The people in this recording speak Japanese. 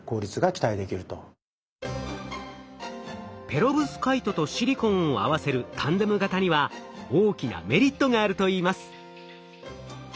ペロブスカイトとシリコンを合わせるタンデム型には大きなメリットがあるといいます。